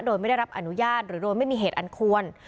โดยไม่ได้รับอนุญาตหรือโดยไม่มีเหตุอันควร